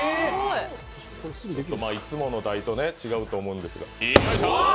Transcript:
いつもの台と違うと思うんですが。